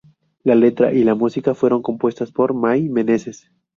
La letra y la música fueron compuestas por Mai Meneses.